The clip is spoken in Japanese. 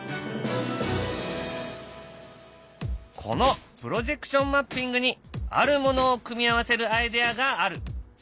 このプロジェクションマッピングにあるものを組み合わせるアイデアがある。